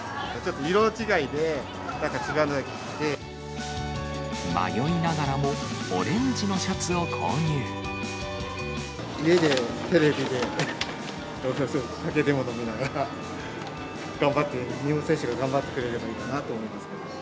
色違いで、迷いながらも、オレンジのシ家でテレビで、酒でも飲みながら、頑張って、日本選手が頑張ってくれればいいかなと思いますけど。